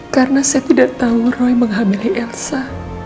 karena saya tidak tahu roy menghamil elsa